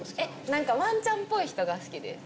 何かワンちゃんっぽい人が好きです